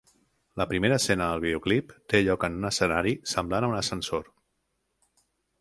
La primera escena del videoclip té lloc en un escenari semblant a un ascensor.